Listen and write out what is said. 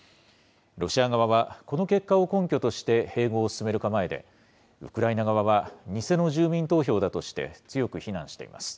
ロシア側は、この結果を根拠として、併合を進める構えで、ウクライナ側は、偽の住民投票だとして、強く非難しています。